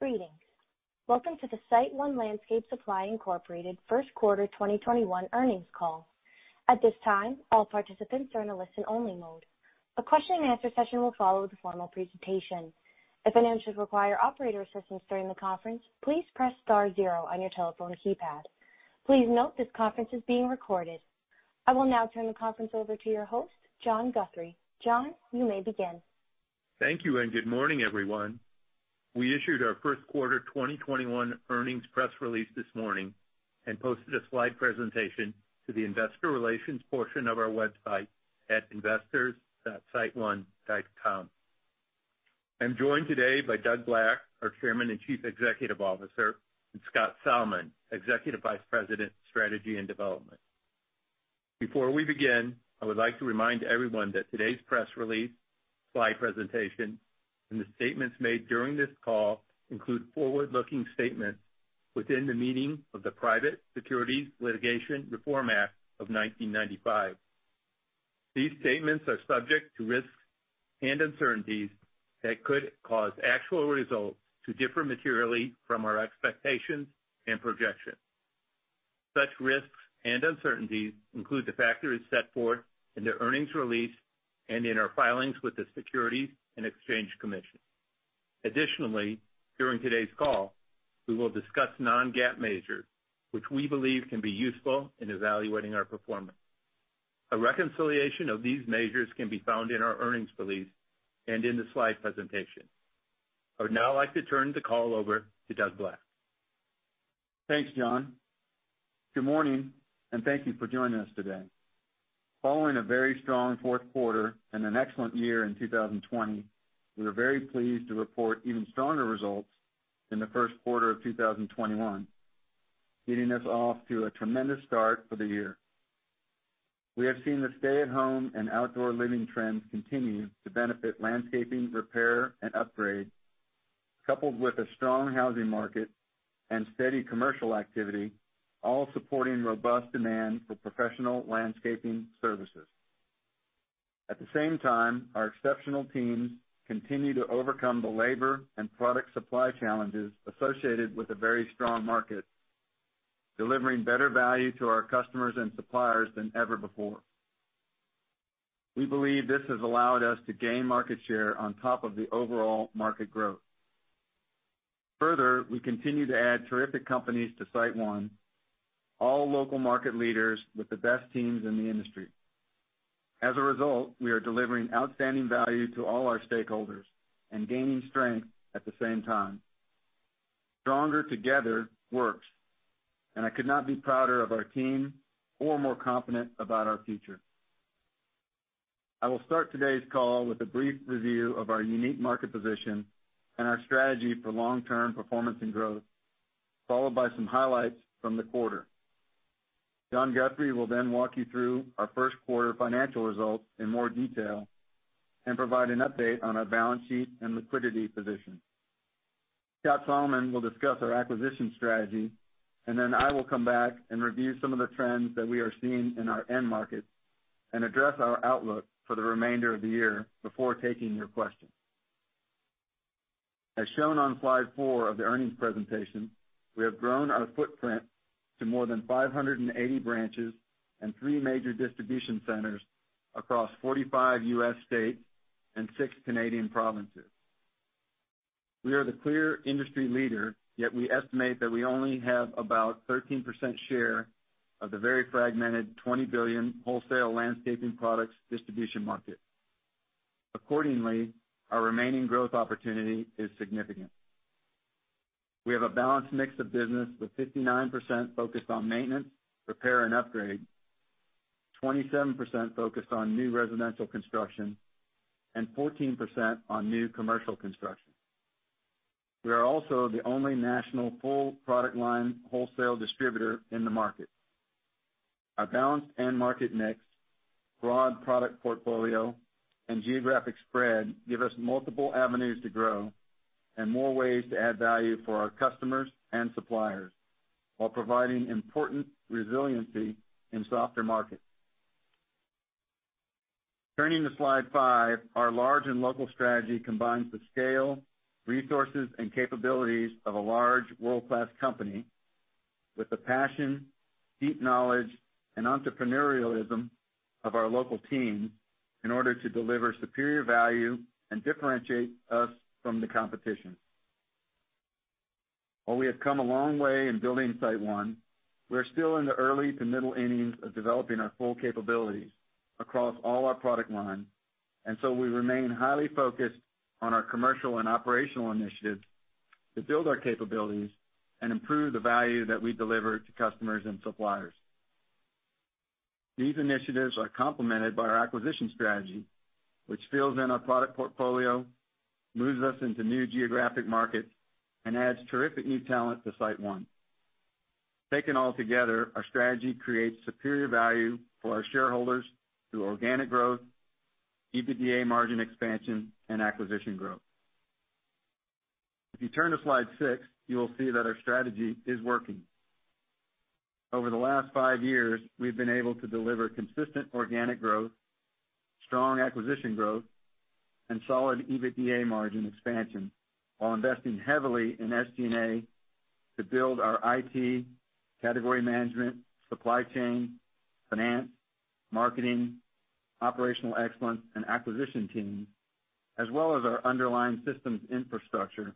Greetings. Welcome to the SiteOne Landscape Supply, Inc first quarter 2021 earnings call. At this time, all participants are in a listen only mode. A question and answer session will follow the formal presentation. If anyone should require operator assistance during the conference, please press star zero on your telephone keypad. Please note this conference is being recorded. I will now turn the conference over to your host, John Guthrie. John, you may begin. Thank you, good morning, everyone. We issued our first quarter 2021 earnings press release this morning and posted a slide presentation to the investor relations portion of our website at investors.siteone.com. I am joined today by Doug Black, our Chairman and Chief Executive Officer, and Scott Salmon, Executive Vice President, Strategy and Development. Before we begin, I would like to remind everyone that today's press release, slide presentation, and the statements made during this call include forward-looking statements within the meaning of the Private Securities Litigation Reform Act of 1995. These statements are subject to risks and uncertainties that could cause actual results to differ materially from our expectations and projections. Such risks and uncertainties include the factors set forth in the earnings release and in our filings with the Securities and Exchange Commission. Additionally, during today's call, we will discuss non-GAAP measures, which we believe can be useful in evaluating our performance. A reconciliation of these measures can be found in our earnings release and in the slide presentation. I would now like to turn the call over to Doug Black. Thanks, John. Good morning, and thank you for joining us today. Following a very strong fourth quarter and an excellent year in 2020, we are very pleased to report even stronger results in the first quarter of 2021, getting us off to a tremendous start for the year. We have seen the stay-at-home and outdoor living trends continue to benefit landscaping repair and upgrade, coupled with a strong housing market and steady commercial activity, all supporting robust demand for professional landscaping services. At the same time, our exceptional teams continue to overcome the labor and product supply challenges associated with a very strong market, delivering better value to our customers and suppliers than ever before. We believe this has allowed us to gain market share on top of the overall market growth. Further, we continue to add terrific companies to SiteOne, all local market leaders with the best teams in the industry. As a result, we are delivering outstanding value to all our stakeholders and gaining strength at the same time. Stronger together works, and I could not be prouder of our team or more confident about our future. I will start today's call with a brief review of our unique market position and our strategy for long-term performance and growth, followed by some highlights from the quarter. John Guthrie will then walk you through our first quarter financial results in more detail and provide an update on our balance sheet and liquidity position. Scott Salmon will discuss our acquisition strategy, and I will come back and review some of the trends that we are seeing in our end markets and address our outlook for the remainder of the year before taking your questions. As shown on slide four of the earnings presentation, we have grown our footprint to more than 580 branches and three major distribution centers across 45 U.S. states and six Canadian provinces. We are the clear industry leader, yet we estimate that we only have about 13% share of the very fragmented $20 billion wholesale landscaping products distribution market. Accordingly, our remaining growth opportunity is significant. We have a balanced mix of business, with 59% focused on maintenance, repair, and upgrade, 27% focused on new residential construction, and 14% on new commercial construction. We are also the only national full product line wholesale distributor in the market. Our balanced end market mix, broad product portfolio, and geographic spread give us multiple avenues to grow and more ways to add value for our customers and suppliers while providing important resiliency in softer markets. Turning to slide five, our large and local strategy combines the scale, resources, and capabilities of a large world-class company with the passion, deep knowledge, and entrepreneurialism of our local teams in order to deliver superior value and differentiate us from the competition. While we have come a long way in building SiteOne, we're still in the early to middle innings of developing our full capabilities across all our product lines, and so we remain highly focused on our commercial and operational initiatives to build our capabilities and improve the value that we deliver to customers and suppliers. These initiatives are complemented by our acquisition strategy, which fills in our product portfolio, moves us into new geographic markets, and adds terrific new talent to SiteOne. Taken all together, our strategy creates superior value for our shareholders through organic growth, EBITDA margin expansion, and acquisition growth. If you turn to slide six, you will see that our strategy is working. Over the last five years, we've been able to deliver consistent organic growth, strong acquisition growth, and solid EBITDA margin expansion while investing heavily in SG&A to build our IT, category management, supply chain, finance, marketing, operational excellence, and acquisition teams, as well as our underlying systems infrastructure,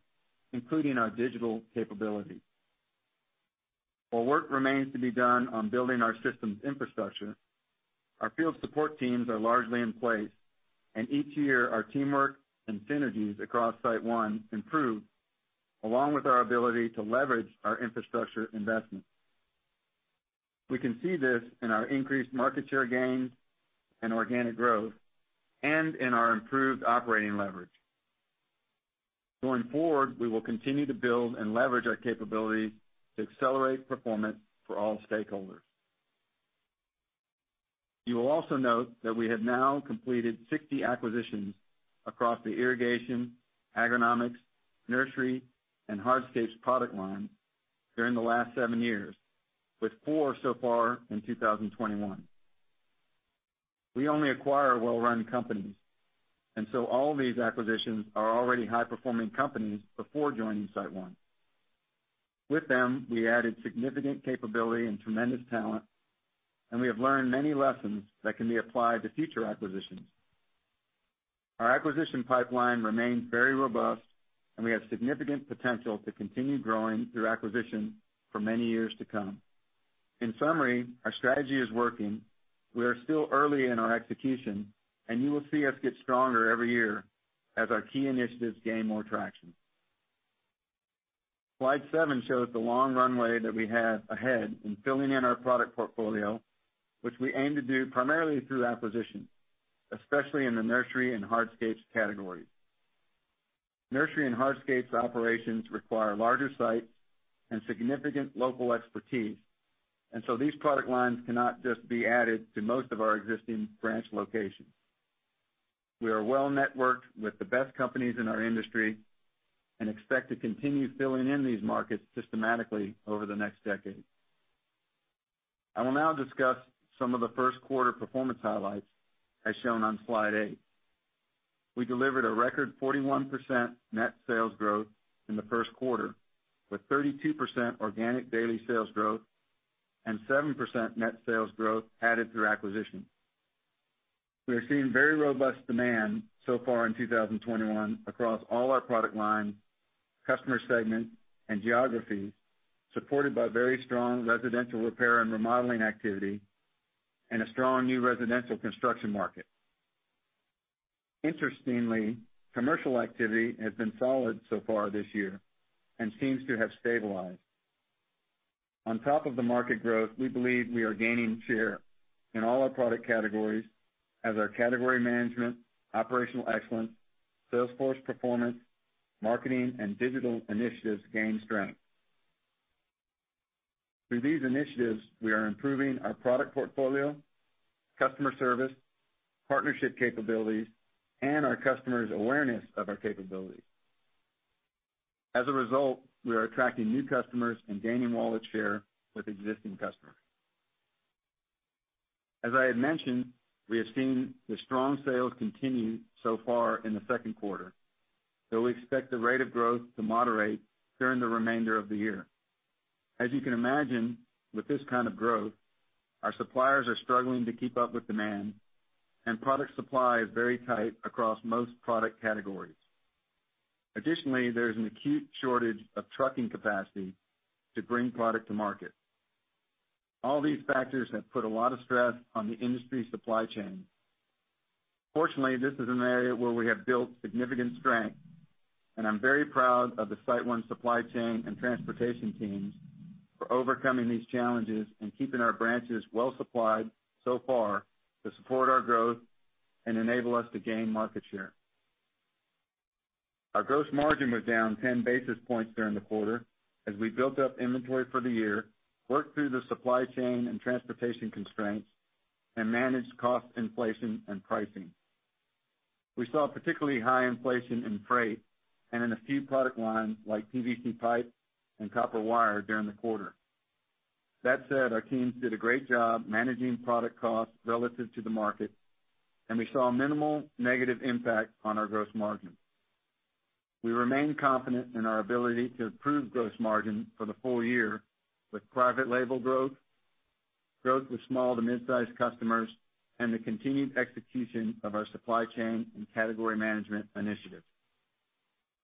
including our digital capabilities. While work remains to be done on building our systems infrastructure, our field support teams are largely in place, and each year, our teamwork and synergies across SiteOne improve, along with our ability to leverage our infrastructure investments. We can see this in our increased market share gains and organic growth and in our improved operating leverage. Going forward, we will continue to build and leverage our capabilities to accelerate performance for all stakeholders. You will also note that we have now completed 60 acquisitions across the irrigation, agronomics, nursery, and hardscapes product lines during the last seven years, with four so far in 2021. We only acquire well-run companies, and so all these acquisitions are already high-performing companies before joining SiteOne. With them, we added significant capability and tremendous talent, and we have learned many lessons that can be applied to future acquisitions. Our acquisition pipeline remains very robust, and we have significant potential to continue growing through acquisition for many years to come. In summary, our strategy is working. We are still early in our execution, and you will see us get stronger every year as our key initiatives gain more traction. Slide seven shows the long runway that we have ahead in filling in our product portfolio, which we aim to do primarily through acquisition, especially in the nursery and hardscapes categories. Nursery and hardscapes operations require larger sites and significant local expertise, and so these product lines cannot just be added to most of our existing branch locations. We are well-networked with the best companies in our industry and expect to continue filling in these markets systematically over the next decade. I will now discuss some of the first quarter performance highlights, as shown on slide eight. We delivered a record 41% net sales growth in the first quarter, with 32% organic daily sales growth and 7% net sales growth added through acquisition. We are seeing very robust demand so far in 2021 across all our product lines, customer segments, and geographies, supported by very strong residential repair and remodeling activity and a strong new residential construction market. Interestingly, commercial activity has been solid so far this year and seems to have stabilized. On top of the market growth, we believe we are gaining share in all our product categories as our category management, operational excellence, sales force performance, marketing, and digital initiatives gain strength. Through these initiatives, we are improving our product portfolio, customer service, partnership capabilities, and our customers' awareness of our capabilities. As a result, we are attracting new customers and gaining wallet share with existing customers. As I had mentioned, we have seen the strong sales continue so far in the second quarter, though we expect the rate of growth to moderate during the remainder of the year. As you can imagine, with this kind of growth, our suppliers are struggling to keep up with demand, and product supply is very tight across most product categories. Additionally, there is an acute shortage of trucking capacity to bring product to market. All these factors have put a lot of stress on the industry supply chain. Fortunately, this is an area where we have built significant strength, and I'm very proud of the SiteOne supply chain and transportation teams for overcoming these challenges and keeping our branches well-supplied so far to support our growth and enable us to gain market share. Our gross margin was down 10 basis points during the quarter as we built up inventory for the year, worked through the supply chain and transportation constraints, and managed cost inflation and pricing. We saw particularly high inflation in freight and in a few product lines like PVC pipe and copper wire during the quarter. That said, our teams did a great job managing product costs relative to the market, and we saw a minimal negative impact on our gross margin. We remain confident in our ability to improve gross margin for the full year with private label growth with small to mid-size customers, and the continued execution of our supply chain and category management initiatives.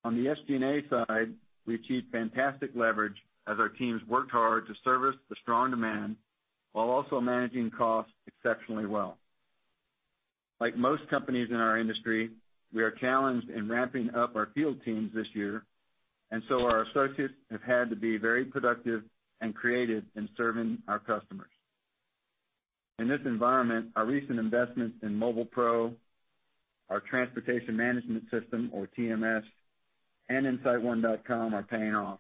On the SG&A side, we achieved fantastic leverage as our teams worked hard to service the strong demand while also managing costs exceptionally well. Like most companies in our industry, we are challenged in ramping up our field teams this year, and so our associates have had to be very productive and creative in serving our customers. In this environment, our recent investments in Mobile Pro, our transportation management system, or TMS, and in siteone.com are paying off.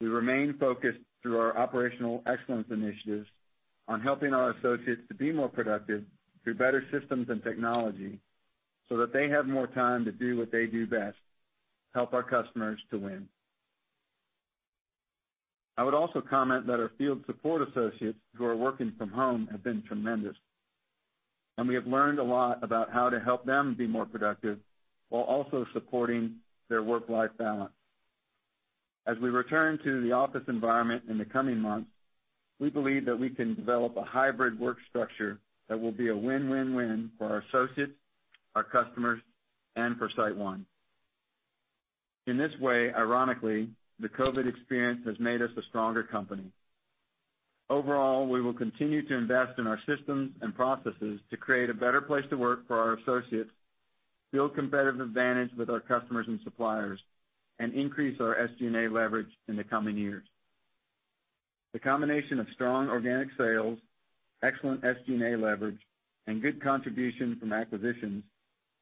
We remain focused through our operational excellence initiatives on helping our associates to be more productive through better systems and technology so that they have more time to do what they do best. Help our customers to win. I would also comment that our field support associates who are working from home have been tremendous, and we have learned a lot about how to help them be more productive while also supporting their work-life balance. As we return to the office environment in the coming months, we believe that we can develop a hybrid work structure that will be a win-win-win for our associates, our customers, and for SiteOne. In this way, ironically, the COVID experience has made us a stronger company. Overall, we will continue to invest in our systems and processes to create a better place to work for our associates, build competitive advantage with our customers and suppliers, and increase our SG&A leverage in the coming years. The combination of strong organic sales, excellent SG&A leverage, and good contribution from acquisitions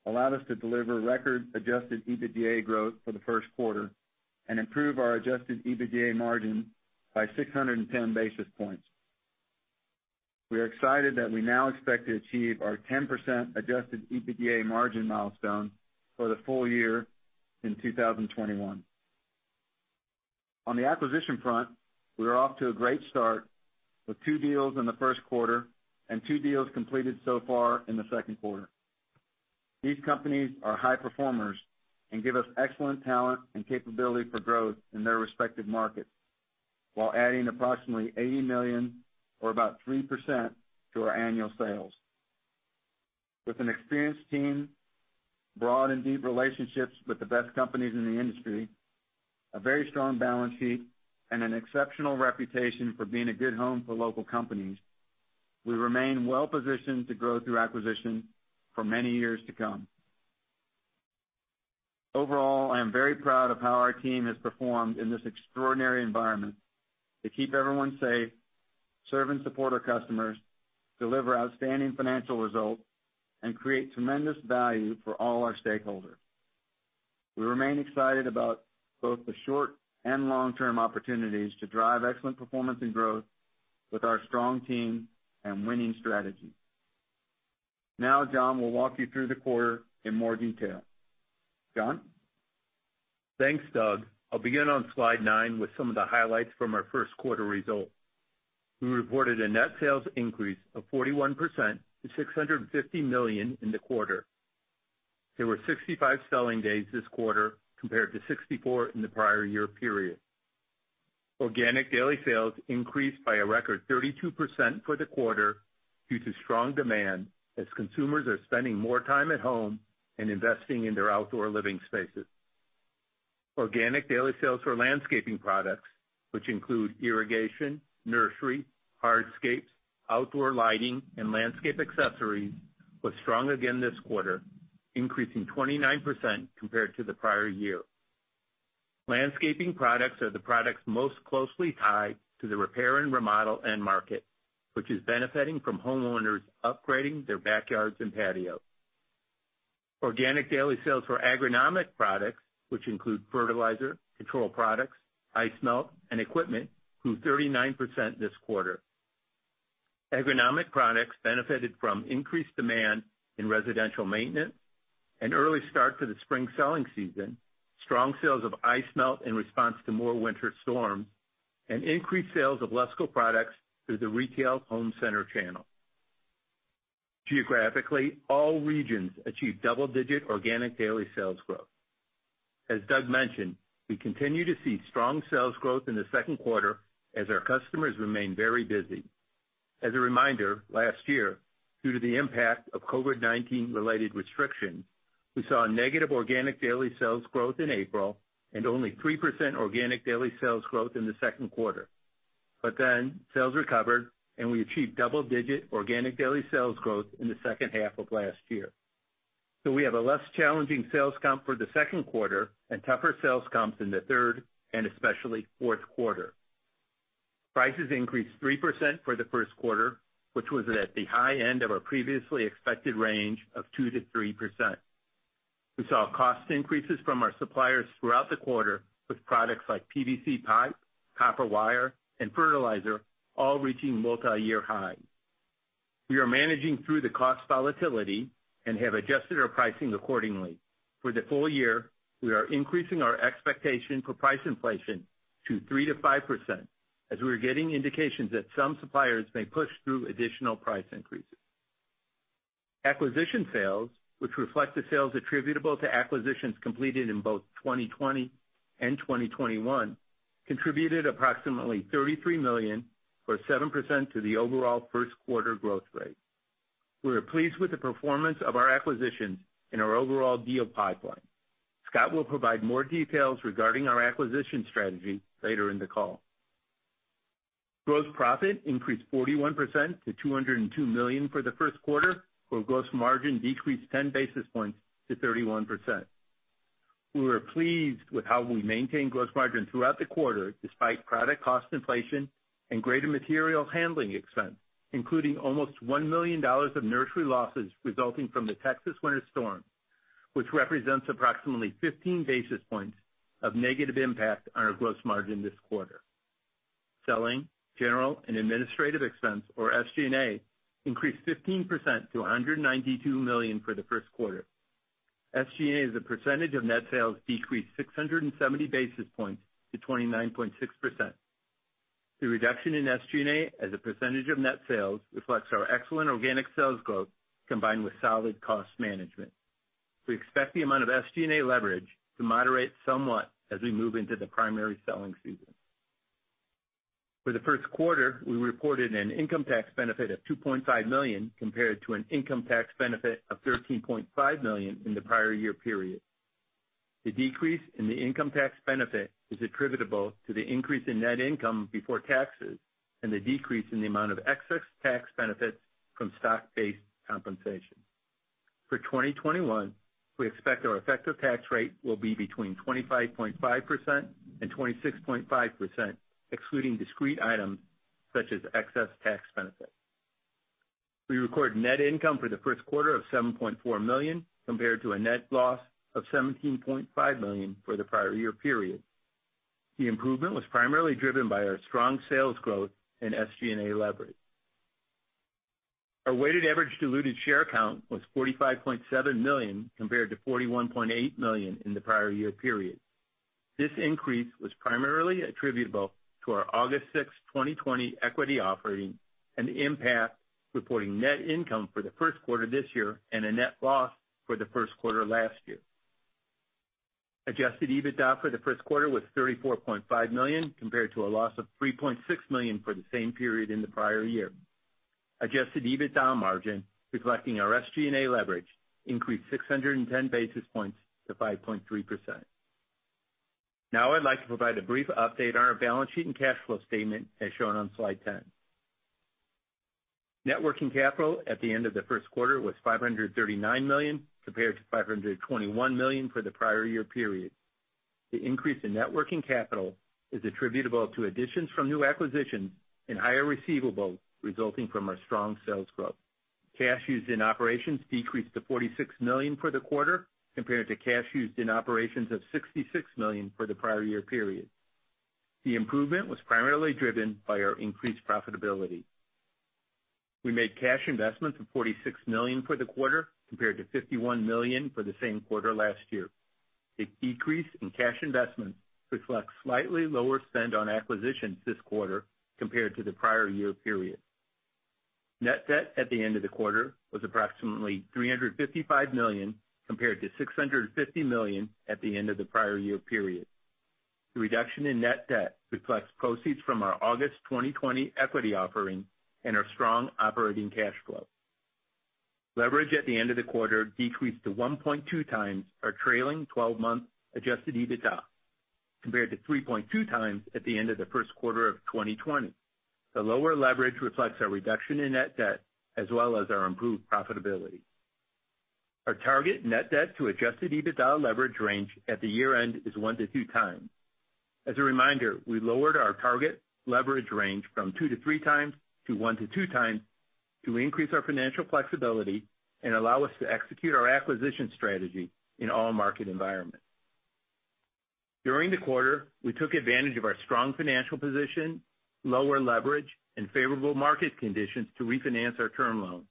allowed us to deliver record-adjusted EBITDA growth for the first quarter and improve our adjusted EBITDA margin by 610 basis points. We are excited that we now expect to achieve our 10% adjusted EBITDA margin milestone for the full year in 2021. On the acquisition front, we are off to a great start with two deals in the first quarter and two deals completed so far in the second quarter. These companies are high performers and give us excellent talent and capability for growth in their respective markets, while adding approximately $80 million or about 3% to our annual sales. With an experienced team, broad and deep relationships with the best companies in the industry, a very strong balance sheet, and an exceptional reputation for being a good home for local companies, we remain well-positioned to grow through acquisition for many years to come. Overall, I am very proud of how our team has performed in this extraordinary environment to keep everyone safe, serve and support our customers, deliver outstanding financial results, and create tremendous value for all our stakeholders. We remain excited about both the short and long-term opportunities to drive excellent performance and growth with our strong team and winning strategy. Now, John will walk you through the quarter in more detail. John? Thanks, Doug. I'll begin on slide nine with some of the highlights from our first quarter results. We reported a net sales increase of 41% to $650 million in the quarter. There were 65 selling days this quarter, compared to 64 in the prior year period. Organic daily sales increased by a record 32% for the quarter due to strong demand, as consumers are spending more time at home and investing in their outdoor living spaces. Organic daily sales for landscaping products, which include irrigation, nursery, hardscapes, outdoor lighting, and landscape accessories, was strong again this quarter, increasing 29% compared to the prior year. Landscaping products are the products most closely tied to the repair and remodel end market, which is benefiting from homeowners upgrading their backyards and patios. Organic daily sales for agronomic products, which include fertilizer, control products, ice melt, and equipment, grew 39% this quarter. Agronomic products benefited from increased demand in residential maintenance, an early start to the spring selling season, strong sales of ice melt in response to more winter storms, and increased sales of LESCO products through the retail home center channel. Geographically, all regions achieved double-digit organic daily sales growth. As Doug mentioned, we continue to see strong sales growth in the second quarter as our customers remain very busy. As a reminder, last year, due to the impact of COVID-19 related restrictions, we saw a negative organic daily sales growth in April and only 3% organic daily sales growth in the second quarter. Sales recovered, and we achieved double-digit organic daily sales growth in the second half of last year. We have a less challenging sales comp for the second quarter and tougher sales comps in the third and especially fourth quarter. Prices increased 3% for the first quarter, which was at the high end of our previously expected range of 2%-3%. We saw cost increases from our suppliers throughout the quarter with products like PVC pipe, copper wire, and fertilizer all reaching multiyear highs. We are managing through the cost volatility and have adjusted our pricing accordingly. For the full year, we are increasing our expectation for price inflation to 3%-5%, as we are getting indications that some suppliers may push through additional price increases. Acquisition sales, which reflect the sales attributable to acquisitions completed in both 2020 and 2021, contributed approximately $33 million or 7% to the overall first quarter growth rate. We are pleased with the performance of our acquisitions and our overall deal pipeline. Scott will provide more details regarding our acquisition strategy later in the call. Gross profit increased 41% to $202 million for the first quarter, where gross margin decreased 10 basis points to 31%. We are pleased with how we maintained gross margin throughout the quarter, despite product cost inflation and greater material handling expense, including almost $1 million of nursery losses resulting from the Texas winter storm, which represents approximately 15 basis points of negative impact on our gross margin this quarter. Selling, general, and administrative expense, or SG&A, increased 15% to $192 million for the first quarter. SG&A as a percentage of net sales decreased 670 basis points to 29.6%. The reduction in SG&A as a percentage of net sales reflects our excellent organic sales growth, combined with solid cost management. We expect the amount of SG&A leverage to moderate somewhat as we move into the primary selling season. For the first quarter, we reported an income tax benefit of $2.5 million compared to an income tax benefit of $13.5 million in the prior year period. The decrease in the income tax benefit is attributable to the increase in net income before taxes and the decrease in the amount of excess tax benefits from stock-based compensation. For 2021, we expect our effective tax rate will be between 25.5% and 26.5%, excluding discrete items such as excess tax benefits. We recorded net income for the first quarter of $7.4 million compared to a net loss of $17.5 million for the prior year period. The improvement was primarily driven by our strong sales growth and SG&A leverage. Our weighted average diluted share count was 45.7 million compared to 41.8 million in the prior year period. This increase was primarily attributable to our August 6, 2020 equity offering and the impact reporting net income for the first quarter this year and a net loss for the first quarter last year. Adjusted EBITDA for the first quarter was $34.5 million compared to a loss of $3.6 million for the same period in the prior year. Adjusted EBITDA margin, reflecting our SG&A leverage, increased 610 basis points to 5.3%. I'd like to provide a brief update on our balance sheet and cash flow statement as shown on slide 10. Net working capital at the end of the first quarter was $539 million compared to $521 million for the prior year period. The increase in net working capital is attributable to additions from new acquisitions and higher receivables resulting from our strong sales growth. Cash used in operations decreased to $46 million for the quarter compared to cash used in operations of $66 million for the prior year period. The improvement was primarily driven by our increased profitability. We made cash investments of $46 million for the quarter compared to $51 million for the same quarter last year. The decrease in cash investments reflects slightly lower spend on acquisitions this quarter compared to the prior year period. Net debt at the end of the quarter was approximately $355 million compared to $650 million at the end of the prior year period. The reduction in net debt reflects proceeds from our August 2020 equity offering and our strong operating cash flow. Leverage at the end of the quarter decreased to 1.2x our trailing 12-month adjusted EBITDA compared to 3.2x at the end of the first quarter of 2020. The lower leverage reflects our reduction in net debt as well as our improved profitability. Our target net debt to adjusted EBITDA leverage range at the year-end is 1-2x. As a reminder, we lowered our target leverage range from 2 to3x to 1 to 2x to increase our financial flexibility and allow us to execute our acquisition strategy in all market environments. During the quarter, we took advantage of our strong financial position, lower leverage, and favorable market conditions to refinance our term loan.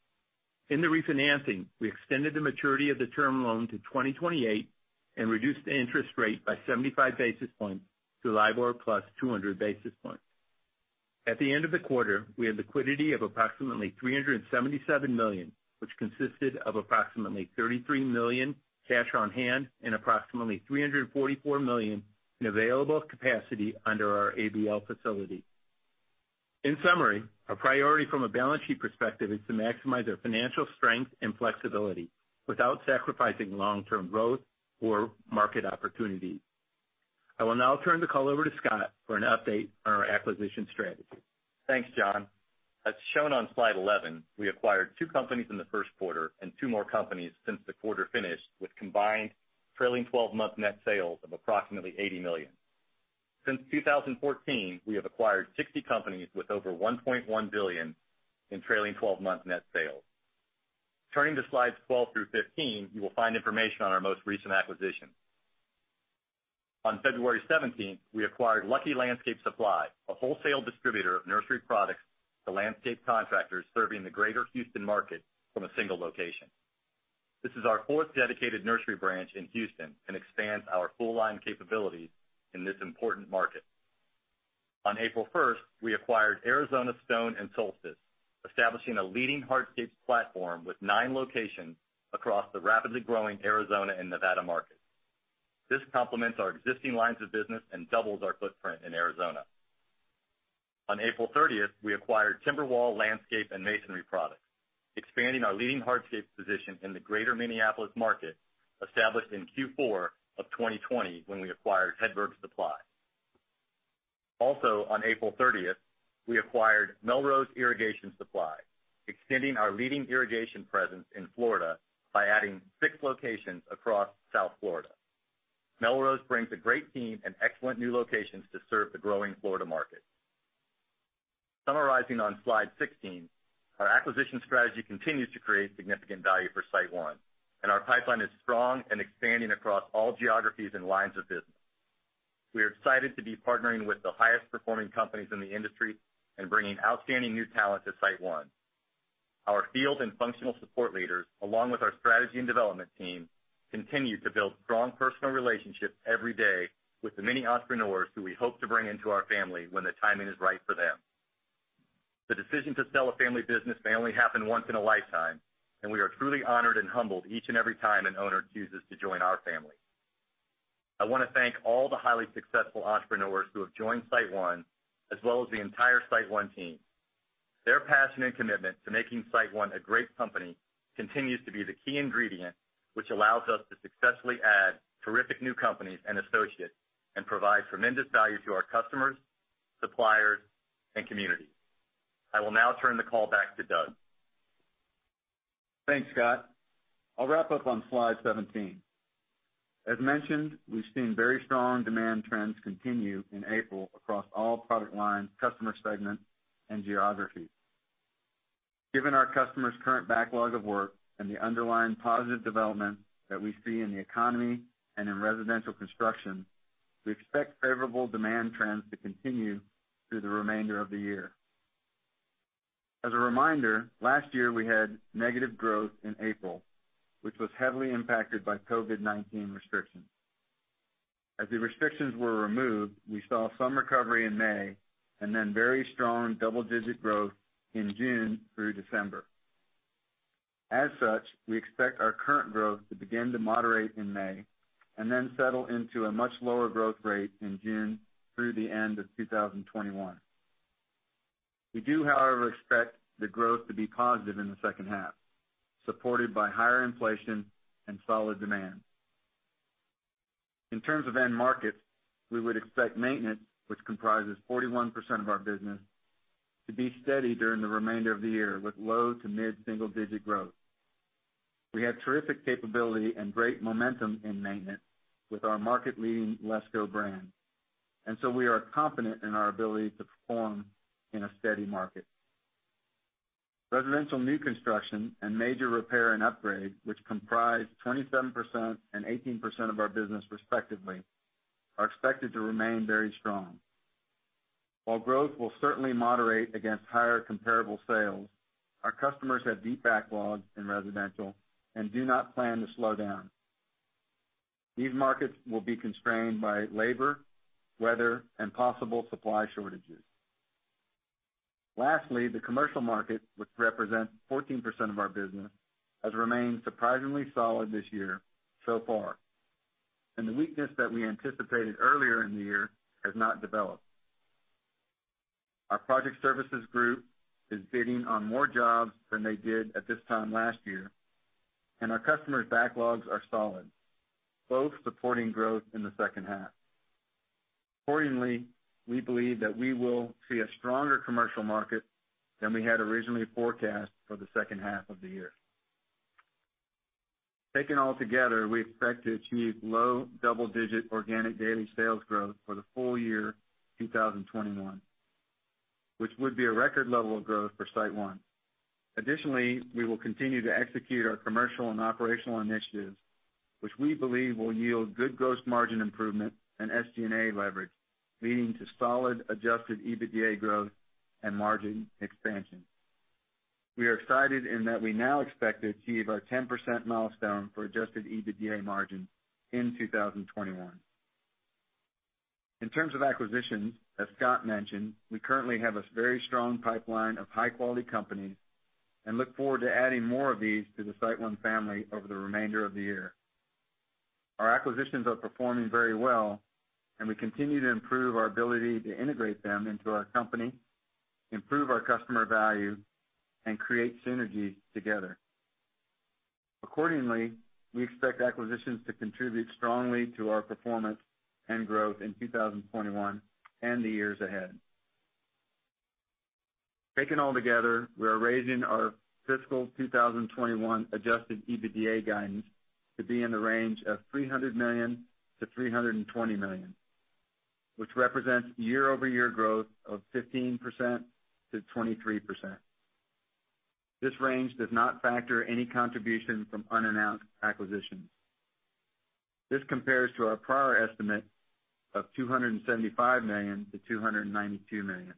In the refinancing, we extended the maturity of the term loan to 2028 and reduced the interest rate by 75 basis points to LIBOR +200 basis points. At the end of the quarter, we had liquidity of approximately $377 million, which consisted of approximately $33 million cash on hand and approximately $344 million in available capacity under our ABL facility. In summary, our priority from a balance sheet perspective is to maximize our financial strength and flexibility without sacrificing long-term growth or market opportunities. I will now turn the call over to Scott for an update on our acquisition strategy. Thanks, John. As shown on slide 11, we acquired two companies in the first quarter and two more companies since the quarter finished, with combined trailing 12-month net sales of approximately $80 million. Since 2014, we have acquired 60 companies with over $1.1 billion in trailing 12-month net sales. Turning to slides 12 through 15, you will find information on our most recent acquisitions. On February 17th, we acquired Lucky Landscape Supply, a wholesale distributor of nursery products to landscape contractors serving the greater Houston market from a single location. This is our fourth dedicated nursery branch in Houston and expands our full-line capabilities in this important market. On April 1st, we acquired Arizona Stone and Solstice, establishing a leading hardscapes platform with nine locations across the rapidly growing Arizona and Nevada markets. This complements our existing lines of business and doubles our footprint in Arizona. On April 30th, we acquired Timberwall Landscape & Masonry Products, expanding our leading hardscapes position in the greater Minneapolis market established in Q4 of 2020 when we acquired Hedberg Supply. On April 30th, we acquired Melrose Irrigation Supply, extending our leading irrigation presence in Florida by adding six locations across South Florida. Melrose brings a great team and excellent new locations to serve the growing Florida market. Summarizing on slide 16, our acquisition strategy continues to create significant value for SiteOne. Our pipeline is strong and expanding across all geographies and lines of business. We are excited to be partnering with the highest performing companies in the industry and bringing outstanding new talent to SiteOne. Our field and functional support leaders, along with our strategy and development team, continue to build strong personal relationships every day with the many entrepreneurs who we hope to bring into our family when the timing is right for them. The decision to sell a family business may only happen once in a lifetime, and we are truly honored and humbled each and every time an owner chooses to join our family. I want to thank all the highly successful entrepreneurs who have joined SiteOne, as well as the entire SiteOne team. Their passion and commitment to making SiteOne a great company continues to be the key ingredient, which allows us to successfully add terrific new companies and associates, and provide tremendous value to our customers, suppliers, and communities. I will now turn the call back to Doug. Thanks, Scott. I'll wrap up on slide 17. As mentioned, we've seen very strong demand trends continue in April across all product lines, customer segments, and geographies. Given our customers' current backlog of work and the underlying positive developments that we see in the economy and in residential construction, we expect favorable demand trends to continue through the remainder of the year. As a reminder, last year we had negative growth in April, which was heavily impacted by COVID-19 restrictions. As the restrictions were removed, we saw some recovery in May and then very strong double-digit growth in June through December. As such, we expect our current growth to begin to moderate in May and then settle into a much lower growth rate in June through the end of 2021. We do, however, expect the growth to be positive in the second half, supported by higher inflation and solid demand. In terms of end markets, we would expect maintenance, which comprises 41% of our business, to be steady during the remainder of the year with low to mid-single digit growth. We have terrific capability and great momentum in maintenance with our market leading LESCO brand, and so we are confident in our ability to perform in a steady market. Residential new construction and major repair and upgrade, which comprise 27% and 18% of our business respectively, are expected to remain very strong. While growth will certainly moderate against higher comparable sales, our customers have deep backlogs in residential and do not plan to slow down. These markets will be constrained by labor, weather, and possible supply shortages. Lastly, the commercial market, which represents 14% of our business, has remained surprisingly solid this year so far, and the weakness that we anticipated earlier in the year has not developed. Our project services group is bidding on more jobs than they did at this time last year, and our customers' backlogs are solid, both supporting growth in the second half. Accordingly, we believe that we will see a stronger commercial market than we had originally forecast for the second half of the year. Taken all together, we expect to achieve low double-digit organic daily sales growth for the full year 2021, which would be a record level of growth for SiteOne. Additionally, we will continue to execute our commercial and operational initiatives, which we believe will yield good gross margin improvement and SG&A leverage, leading to solid adjusted EBITDA growth and margin expansion. We are excited in that we now expect to achieve our 10% milestone for adjusted EBITDA margin in 2021. In terms of acquisitions, as Scott mentioned, we currently have a very strong pipeline of high-quality companies and look forward to adding more of these to the SiteOne family over the remainder of the year. Our acquisitions are performing very well and we continue to improve our ability to integrate them into our company, improve our customer value, and create synergies together. Accordingly, we expect acquisitions to contribute strongly to our performance and growth in 2021 and the years ahead. Taken all together, we are raising our fiscal 2021 adjusted EBITDA guidance to be in the range of $300 million-$320 million, which represents year-over-year growth of 15%-23%. This range does not factor any contribution from unannounced acquisitions. This compares to our prior estimate of $275 million-$292 million.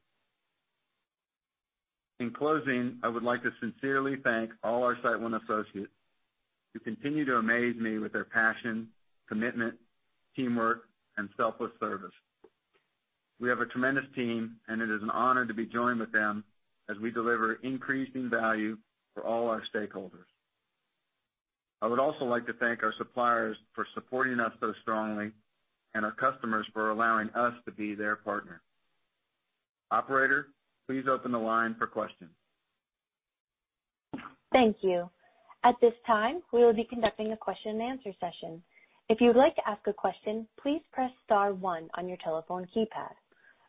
In closing, I would like to sincerely thank all our SiteOne associates who continue to amaze me with their passion, commitment, teamwork, and selfless service. We have a tremendous team and it is an honor to be joined with them as we deliver increasing value for all our stakeholders. I would also like to thank our suppliers for supporting us so strongly and our customers for allowing us to be their partner. Operator, please open the line for questions. Thank you. At this time we will be conducting our question and answer session. If you would like to ask a question please press star one on your telephone keypad.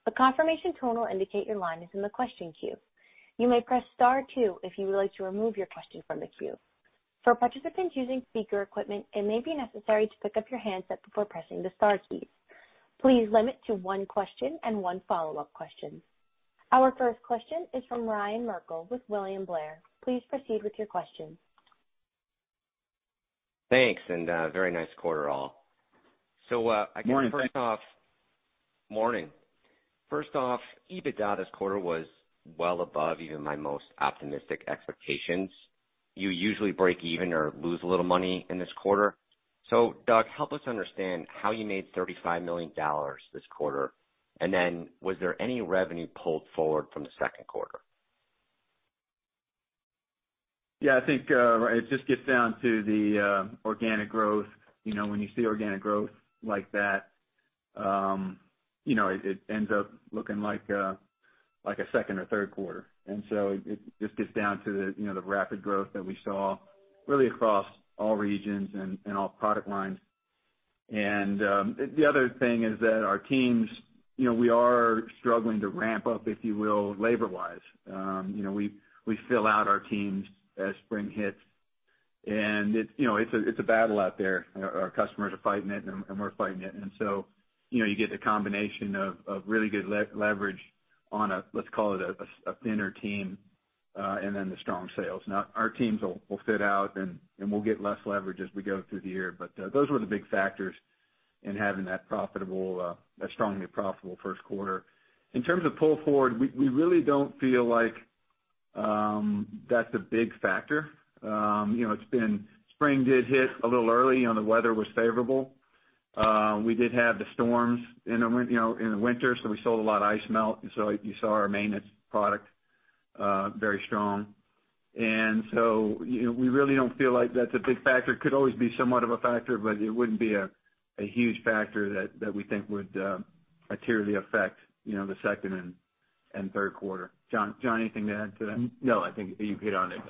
The confirmation tone will indicate your line is in the question queue. You may press star two if you would like to remove your question from the queue. For participants using speaker equipment it maybe be necessary to pick up the handset before pressing the star key. Please limit to one question and one follow up question. Our first question is from Ryan Merkel with William Blair. Please proceed with your question. Thanks. A very nice quarter all. Morning. Morning. First off, EBITDA this quarter was well above even my most optimistic expectations. You usually break even or lose a little money in this quarter. Doug, help us understand how you made $35 million this quarter, and then was there any revenue pulled forward from the second quarter? Yeah, I think, it just gets down to the organic growth. When you see organic growth like that, it ends up looking like a second or third quarter. It just gets down to the rapid growth that we saw really across all regions and all product lines. The other thing is that our teams, we are struggling to ramp up, if you will, labor-wise. We fill out our teams as spring hits, and it's a battle out there. Our customers are fighting it, and we're fighting it. You get the combination of really good leverage on a, let's call it a thinner team, and then the strong sales. Now, our teams will fit out, and we'll get less leverage as we go through the year. Those were the big factors in having that strongly profitable first quarter. In terms of pull forward, we really don't feel like that's a big factor. Spring did hit a little early and the weather was favorable. We did have the storms in the winter, so we sold a lot of ice melt, and so you saw our maintenance product very strong. We really don't feel like that's a big factor. Could always be somewhat of a factor, but it wouldn't be a huge factor that we think would materially affect the second and third quarter. John, anything to add to that? No, I think you've hit on it.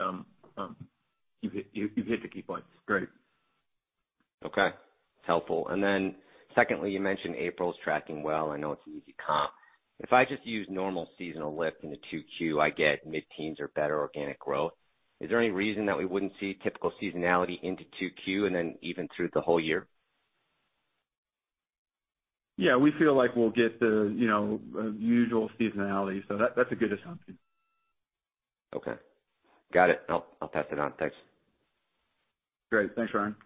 You've hit the key points. Great. Okay. It's helpful. Secondly, you mentioned April's tracking well. I know it's an easy comp. If I just use normal seasonal lift into 2Q, I get mid-teens or better organic growth. Is there any reason that we wouldn't see typical seasonality into 2Q and then even through the whole year? Yeah, we feel like we'll get the usual seasonality, so that's a good assumption. Okay. Got it. I'll pass it on. Thanks. Great. Thanks, Ryan.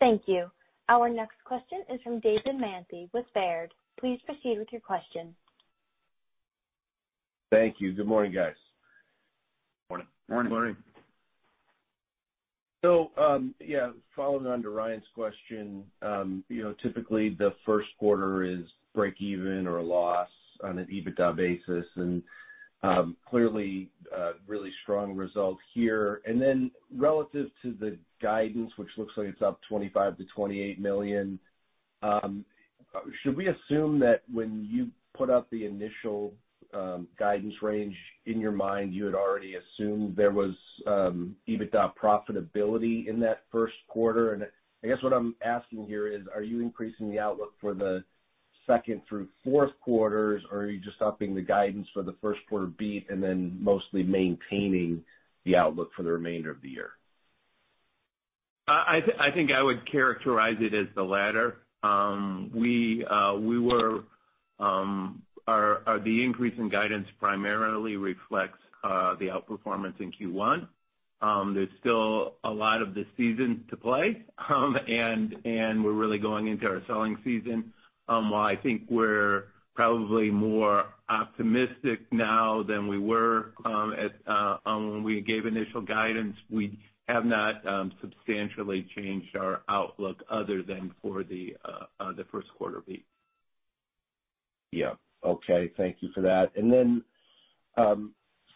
Thank you. Our next question is from David Manthey with Baird. Please proceed with your question. Thank you. Good morning, guys. Morning. Morning. Morning. Yeah, following on to Ryan's question. Typically, the first quarter is break even or a loss on an EBITDA basis, and clearly, really strong result here. Relative to the guidance, which looks like it's up $25 million-$28 million, should we assume that when you put up the initial guidance range, in your mind, you had already assumed there was EBITDA profitability in that first quarter? I guess what I'm asking here is, are you increasing the outlook for the second through fourth quarters, or are you just upping the guidance for the first quarter beat and then mostly maintaining the outlook for the remainder of the year? I think I would characterize it as the latter. The increase in guidance primarily reflects the outperformance in Q1. There's still a lot of the season to play, and we're really going into our selling season. While I think we're probably more optimistic now than we were when we gave initial guidance, we have not substantially changed our outlook other than for the first quarter beat. Yeah. Okay. Thank you for that.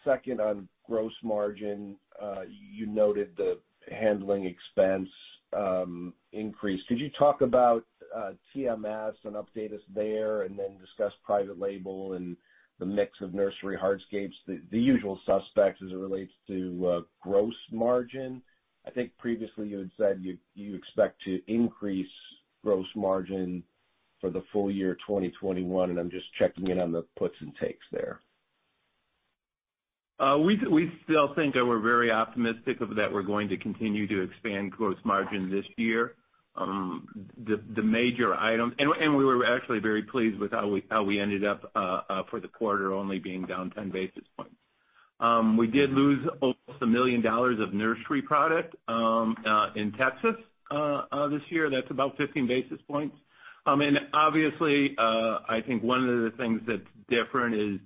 Second on gross margin. You noted the handling expense increase. Could you talk about TMS and update us there and then discuss private label and the mix of nursery hardscapes, the usual suspects as it relates to gross margin? I think previously you had said you expect to increase gross margin for the full year 2021, and I'm just checking in on the puts and takes there. We still think that we're very optimistic that we're going to continue to expand gross margin this year. We were actually very pleased with how we ended up for the quarter only being down 10 basis points. We did lose almost $1 million of nursery product in Texas this year. That's about 15 basis points. Obviously, I think one of the things that's different is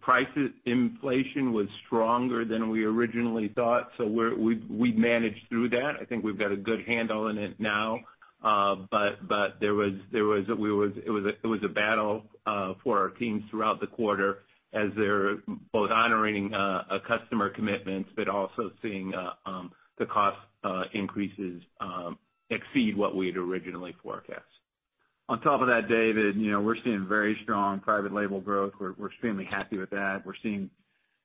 prices. Inflation was stronger than we originally thought. We've managed through that. I think we've got a good handle on it now. It was a battle for our teams throughout the quarter as they're both honoring customer commitments, but also seeing the cost increases exceed what we had originally forecast. On top of that, David, we're seeing very strong private label growth. We're extremely happy with that. We're seeing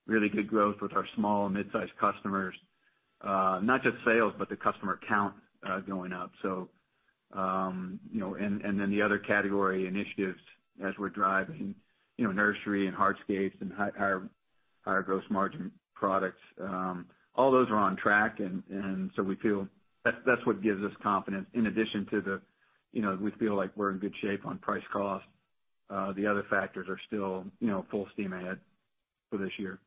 really good growth with our small and mid-sized customers. Not just sales, but the customer count going up. The other category initiatives as we're driving nursery and hardscapes and higher gross margin products, all those are on track, that's what gives us confidence in addition to the, we feel like we're in good shape on price cost. The other factors are still full steam ahead for this year.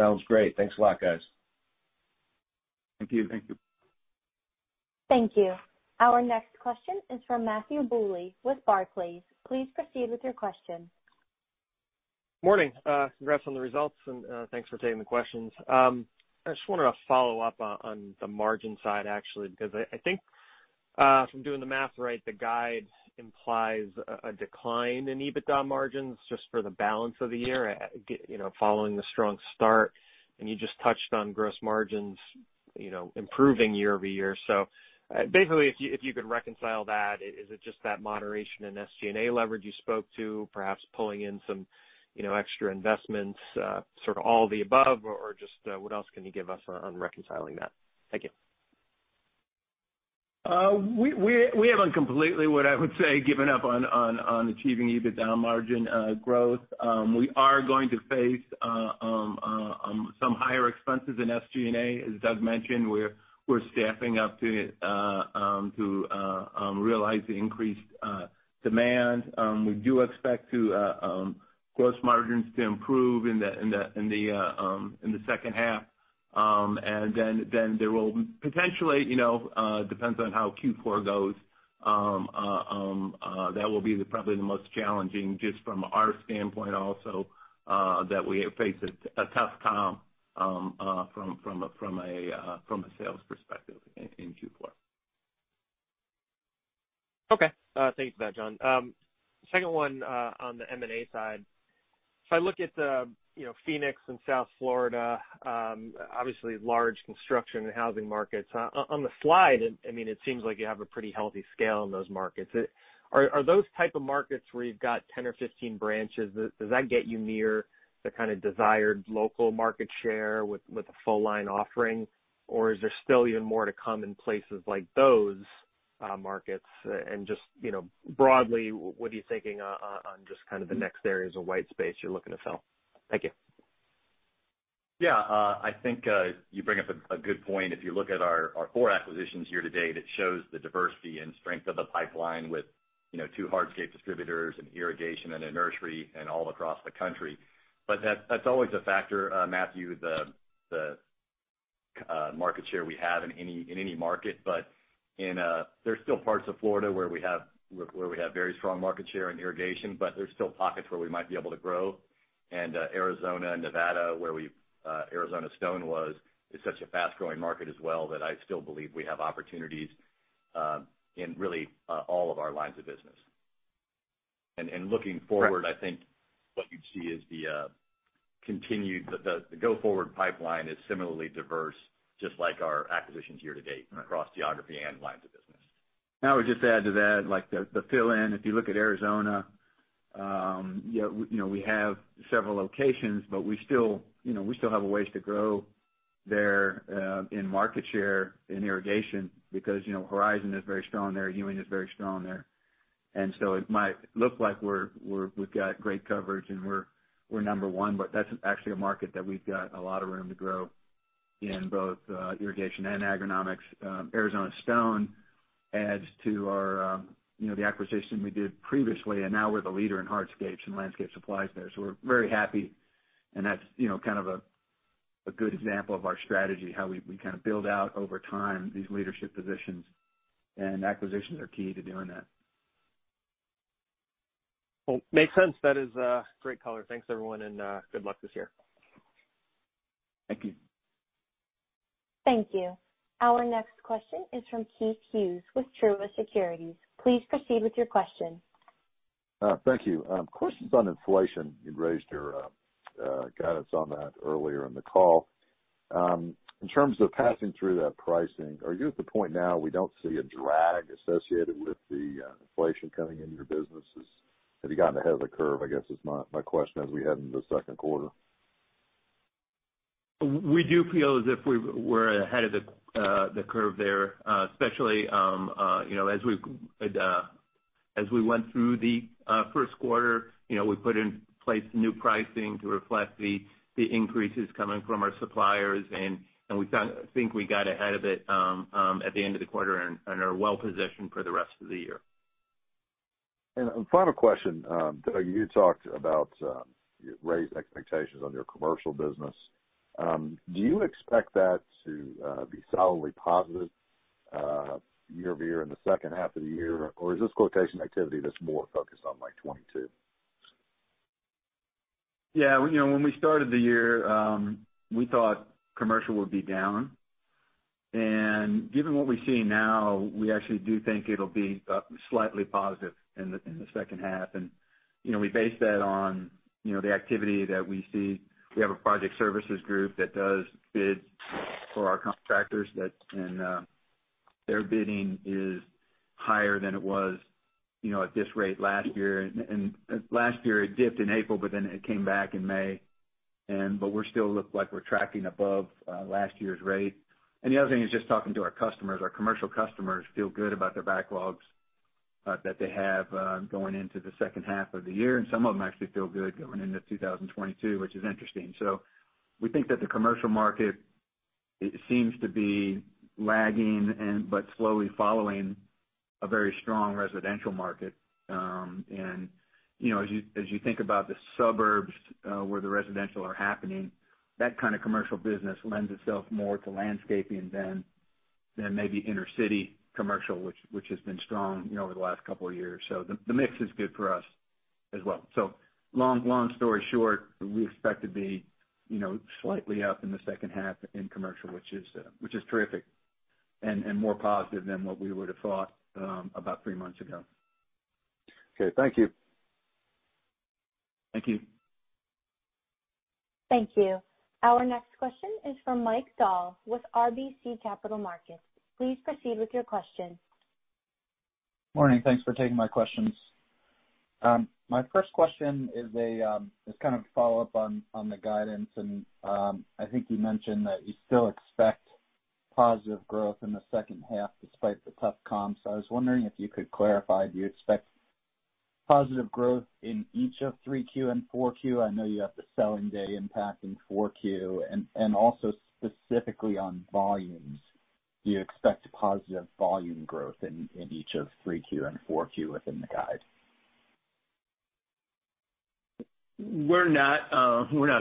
Sounds great. Thanks a lot, guys. Thank you. Thank you. Our next question is from Matthew Bouley with Barclays. Please proceed with your question. Morning. Congrats on the results, thanks for taking the questions. I just wanted to follow up on the margin side, actually, because I think, from doing the math right, the guide implies a decline in EBITDA margins just for the balance of the year following the strong start. You just touched on gross margins improving year-over-year. Basically, if you could reconcile that. Is it just that moderation in SG&A leverage you spoke to, perhaps pulling in some extra investments, sort of all the above, or just what else can you give us on reconciling that? Thank you. We haven't completely, what I would say, given up on achieving EBITDA margin growth. We are going to face some higher expenses in SG&A. As Doug mentioned, we're staffing up to realize the increased demand. We do expect gross margins to improve in the second half. There will potentially, depends on how Q4 goes, that will be probably the most challenging just from our standpoint also, that we face a tough comp from a sales perspective in Q4. Okay. Thanks for that, John. Second one, on the M&A side. If I look at Phoenix and South Florida, obviously large construction and housing markets. On the slide, it seems like you have a pretty healthy scale in those markets. Are those type of markets where you've got 10 or 15 branches, does that get you near the kind of desired local market share with a full line offering? Is there still even more to come in places like those markets? Just broadly, what are you thinking on just kind of the next areas of white space you're looking to fill? Thank you. Yeah, I think you bring up a good point. If you look at our four acquisitions here to date, it shows the diversity and strength of the pipeline with two hardscape distributors, an irrigation, and a nursery, and all across the country. That's always a factor, Matthew, the market share we have in any market. There's still parts of Florida where we have very strong market share in irrigation, but there's still pockets where we might be able to grow. Arizona and Nevada, where Arizona Stone was, is such a fast-growing market as well that I still believe we have opportunities in really all of our lines of business. In looking forward, I think what you'd see is the go forward pipeline is similarly diverse, just like our acquisitions here to date across geography and lines of business. I would just add to that, like the fill-in, if you look at Arizona, we have several locations, but we still have a ways to grow there in market share in irrigation because Horizon is very strong there, Ewing is very strong there. It might look like we've got great coverage and we're number one, but that's actually a market that we've got a lot of room to grow in both irrigation and agronomics. Arizona Stone adds to the acquisition we did previously, and now we're the leader in hardscapes and landscape supplies there. We're very happy, and that's kind of a good example of our strategy, how we kind of build out over time these leadership positions, and acquisitions are key to doing that. Well, makes sense. That is great color. Thanks, everyone, and good luck this year. Thank you. Thank you. Our next question is from Keith Hughes with Truist Securities. Please proceed with your question. Thank you. Questions on inflation. You'd raised your guidance on that earlier in the call. In terms of passing through that pricing, are you at the point now we don't see a drag associated with the inflation coming into your businesses? Have you gotten ahead of the curve, I guess, is my question, as we head into the second quarter? We do feel as if we're ahead of the curve there. Especially as we went through the first quarter, we put in place new pricing to reflect the increases coming from our suppliers, and I think we got ahead of it at the end of the quarter and are well positioned for the rest of the year. Final question. Doug, you talked about raised expectations on your commercial business. Do you expect that to be solidly positive year-over-year in the second half of the year, or is this quotation activity that's more focused on like 2022? Yeah. When we started the year, we thought commercial would be down. Given what we see now, we actually do think it'll be slightly positive in the second half. We base that on the activity that we see. We have a project services group that does bids for our contractors, and their bidding is higher than it was at this rate last year. Last year, it dipped in April, but then it came back in May. We still look like we're tracking above last year's rate. The other thing is just talking to our customers. Our commercial customers feel good about their backlogs that they have going into the second half of the year, and some of them actually feel good going into 2022, which is interesting. We think that the commercial market, it seems to be lagging, but slowly following a very strong residential market. As you think about the suburbs, where the residential are happening, that kind of commercial business lends itself more to landscaping than maybe inner city commercial, which has been strong over the last couple of years. The mix is good for us as well. Long story short, we expect to be slightly up in the second half in commercial, which is terrific and more positive than what we would've thought about three months ago. Okay. Thank you. Thank you. Thank you. Our next question is from Mike Dahl with RBC Capital Markets. Please proceed with your question. Morning. Thanks for taking my questions. My first question is kind of a follow-up on the guidance, and I think you mentioned that you still expect positive growth in the second half despite the tough comps. I was wondering if you could clarify, do you expect positive growth in each of 3Q and 4Q? I know you have the selling day impact in 4Q. Also specifically on volumes, do you expect positive volume growth in each of 3Q and 4Q within the guide? We're not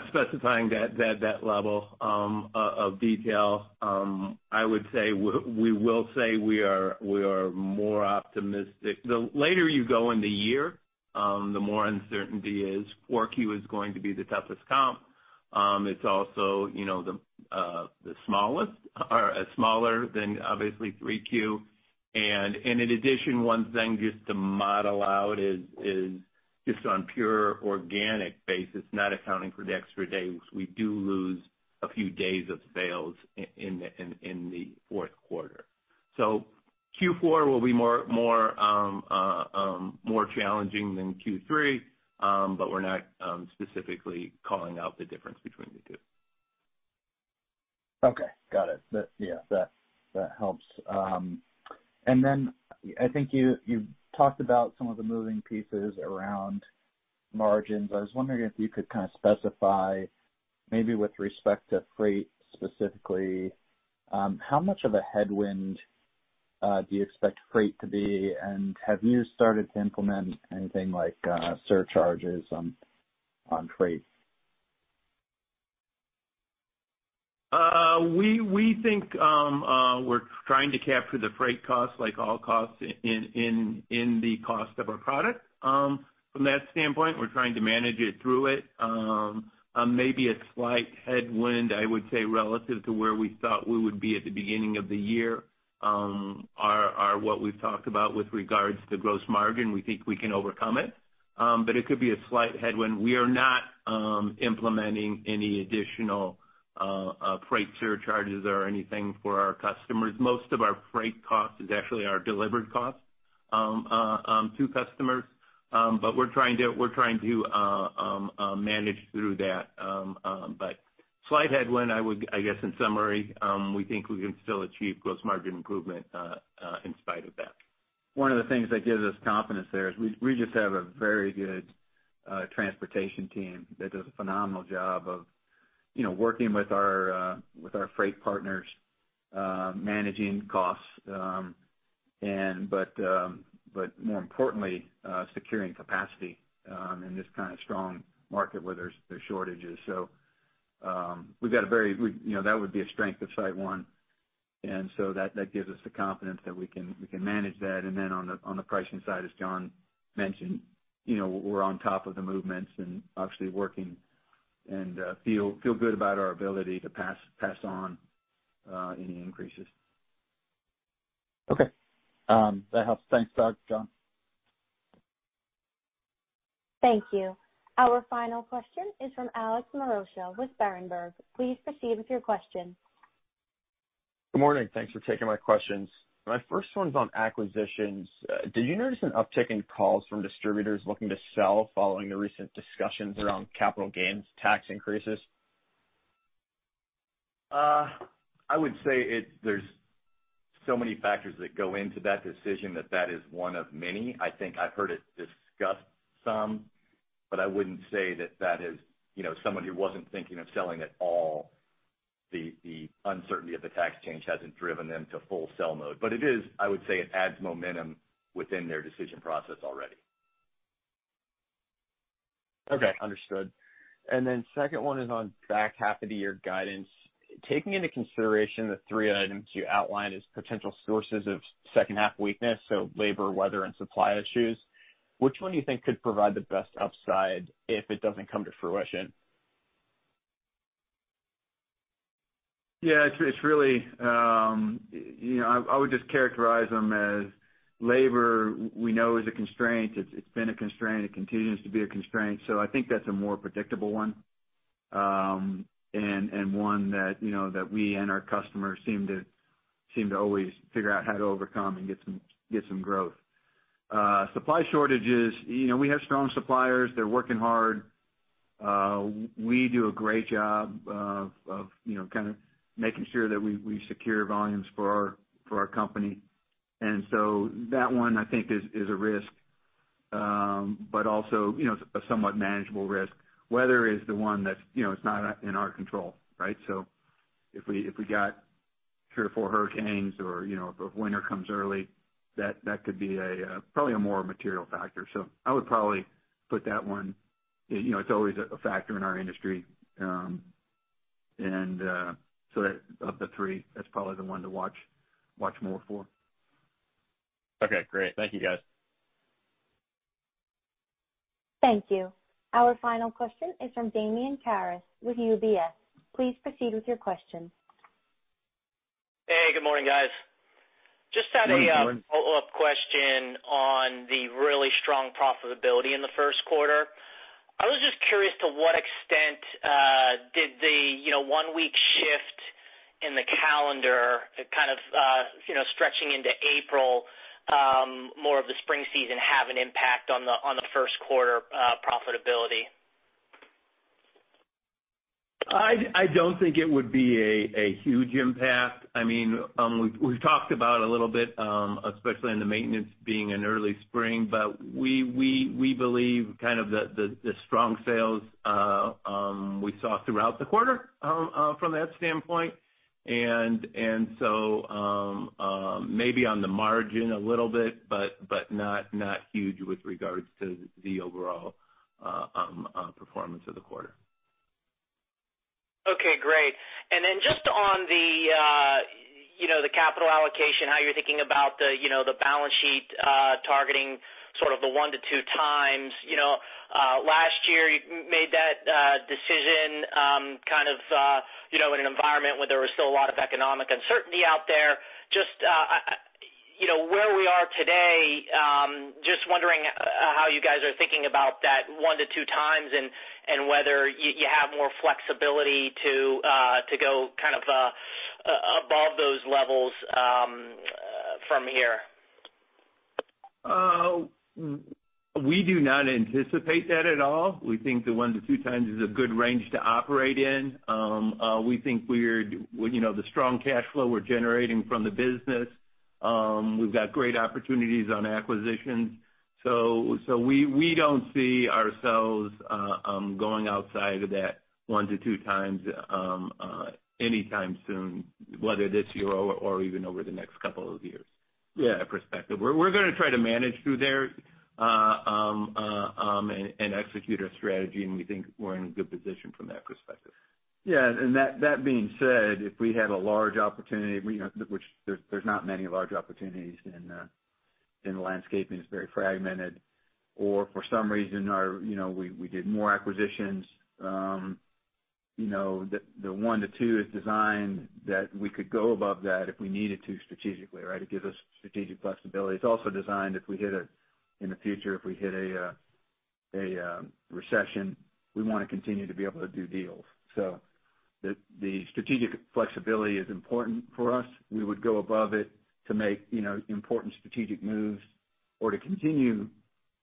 specifying that level of detail. I would say, we will say we are more optimistic. The later you go in the year, the more uncertainty is 4Q is going to be the toughest comp. It's also the smallest or smaller than obviously 3Q. In addition, one thing just to model out is just on pure organic basis, not accounting for the extra days, we do lose a few days of sales in the fourth quarter. Q4 will be more challenging than Q3, but we're not specifically calling out the difference between the two. Okay. Got it. Yeah, that helps. I think you talked about some of the moving pieces around margins. I was wondering if you could kind of specify, maybe with respect to freight specifically, how much of a headwind do you expect freight to be, and have you started to implement anything like surcharges on freight? We think we're trying to capture the freight cost like all costs in the cost of our product. From that standpoint, we're trying to manage it through it. Maybe a slight headwind, I would say, relative to where we thought we would be at the beginning of the year, are what we've talked about with regards to gross margin. We think we can overcome it, but it could be a slight headwind. We are not implementing any additional freight surcharges or anything for our customers. Most of our freight cost is actually our delivered cost to customers, but we're trying to manage through that. Slight headwind, I guess in summary. We think we can still achieve gross margin improvement in spite of that. One of the things that gives us confidence there is we just have a very good transportation team that does a phenomenal job of working with our freight partners, managing costs, but more importantly, securing capacity in this kind of strong market where there's shortages. That would be a strength of SiteOne, that gives us the confidence that we can manage that. Then on the pricing side, as John mentioned, we're on top of the movements and obviously working and feel good about our ability to pass on any increases. Okay. That helps. Thanks, Doug, John. Thank you. Our final question is from Alex Maroccia with Berenberg. Please proceed with your question. Good morning. Thanks for taking my questions. My first one's on acquisitions. Did you notice an uptick in calls from distributors looking to sell following the recent discussions around capital gains tax increases? I would say there's so many factors that go into that decision that that is one of many. I think I've heard it discussed some, but I wouldn't say that that is someone who wasn't thinking of selling at all, the uncertainty of the tax change hasn't driven them to full sell mode. It is, I would say it adds momentum within their decision process already. Okay. Understood. Second one is on back half of the year guidance. Taking into consideration the three items you outlined as potential sources of second half weakness, so labor, weather, and supply issues, which one you think could provide the best upside if it doesn't come to fruition? It's really I would just characterize them as labor we know is a constraint. It's been a constraint. It continues to be a constraint. I think that's a more predictable one. One that we and our customers seem to always figure out how to overcome and get some growth. Supply shortages. We have strong suppliers. They're working hard. We do a great job of making sure that we secure volumes for our company. That one, I think, is a risk. Also, a somewhat manageable risk. Weather is the one that is not in our control, right? If we got three or four hurricanes or if winter comes early, that could be probably a more material factor. I would probably put that one. It's always a factor in our industry. Of the three, that's probably the one to watch more for. Okay, great. Thank you, guys. Thank you. Our final question is from Damian Karas with UBS. Please proceed with your question. Hey, good morning, guys. Good morning. Just had a follow-up question on the really strong profitability in the first quarter. I was just curious to what extent did the one-week shift in the calendar, kind of stretching into April, more of the spring season, have an impact on the first quarter profitability? I don't think it would be a huge impact. We've talked about a little bit, especially in the maintenance being in early spring. We believe the strong sales we saw throughout the quarter from that standpoint. Maybe on the margin a little bit, not huge with regards to the overall performance of the quarter. Okay, great. Just on the capital allocation, how you're thinking about the balance sheet targeting sort of the 1-2x. Last year, you made that decision in an environment where there was still a lot of economic uncertainty out there. Just where we are today, just wondering how you guys are thinking about that 1-2x and whether you have more flexibility to go above those levels from here. We do not anticipate that at all. We think the 1-2x is a good range to operate in. We think the strong cash flow we're generating from the business, we've got great opportunities on acquisitions. We don't see ourselves going outside of that 1-2x anytime soon, whether this year or even over the next couple of years. Yeah, perspective. We're going to try to manage through there and execute our strategy, and we think we're in a good position from that perspective. Yeah, that being said, if we had a large opportunity, which there's not many large opportunities in landscaping, it's very fragmented. For some reason, we did more acquisitions. The one-two is designed that we could go above that if we needed to strategically, right? It gives us strategic flexibility. It's also designed In the future, if we hit a recession, we want to continue to be able to do deals. The strategic flexibility is important for us. We would go above it to make important strategic moves or to continue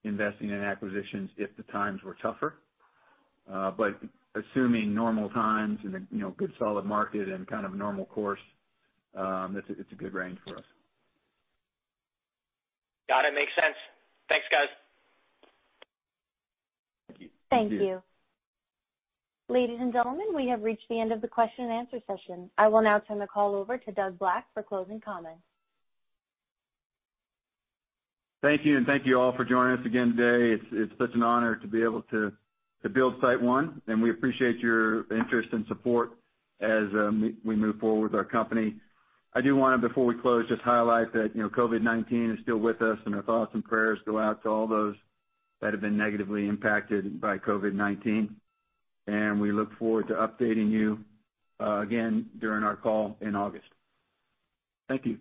investing in acquisitions if the times were tougher. Assuming normal times and a good solid market and kind of normal course, it's a good range for us. Got it. Makes sense. Thanks, guys. Thank you. Thank you. Ladies and gentlemen, we have reached the end of the question and answer session. I will now turn the call over to Doug Black for closing comments. Thank you. Thank you all for joining us again today. It's such an honor to be able to build SiteOne, and we appreciate your interest and support as we move forward with our company. I do want to, before we close, just highlight that COVID-19 is still with us, and our thoughts and prayers go out to all those that have been negatively impacted by COVID-19. We look forward to updating you again during our call in August. Thank you.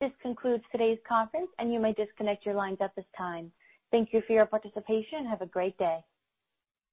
This concludes today's conference, and you may disconnect your lines at this time. Thank you for your participation and have a great day.